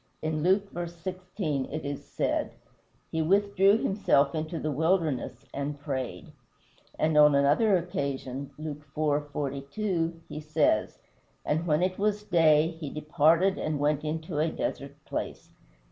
In Luke v. 16, it is said: "He withdrew himself into the wilderness and prayed;" and on another occasion (Luke iv. 42), he says: "And when it was day, he departed and went into a desert place."